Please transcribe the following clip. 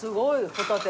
ホタテ。